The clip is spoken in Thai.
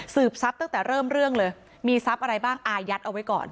ทรัพย์ตั้งแต่เริ่มเรื่องเลยมีทรัพย์อะไรบ้างอายัดเอาไว้ก่อน